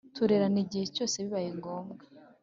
Ruterana igihe cyose bibaye ngombwa